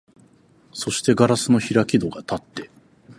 そして硝子の開き戸がたって、